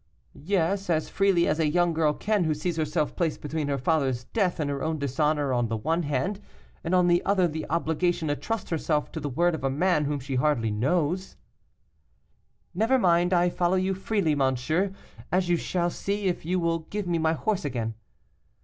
'Yes, as freely as a young girl can who sees herself placed between her father's death and her own dishonor on the one hand, and on the other the obligation to trust herself to the word of a man whom she hardly knows.' 'Never mind, I follow you freely, monsieur, as you shall see if you will give me my horse again.